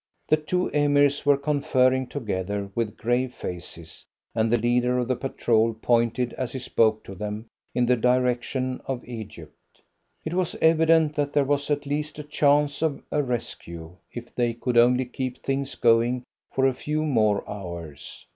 The two Emirs were conferring together with grave faces, and the leader of the patrol pointed, as he spoke to them, in the direction of Egypt. It was evident that there was at least a chance of a rescue if they could only keep things going for a few more hours.